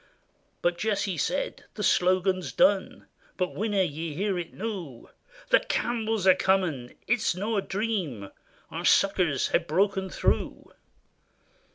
But Jessie said, "The slogan 's done; But winna ye hear it noo? * The Campbells are comin' '? It 's no a dream ; Our succors hae broken through